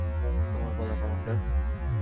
তোমার পালা, কমান্ডার।